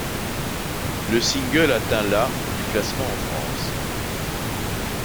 Le single atteint la du classement en France.